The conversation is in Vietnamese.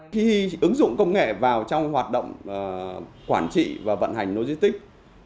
khi ứng dụng công nghệ vào trong hoạt động quản trị và vận hành logistics